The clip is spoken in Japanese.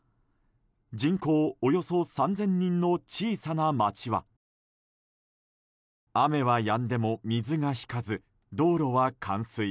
人口およそ３０００人の小さな町は雨はやんでも水が引かず道路は冠水。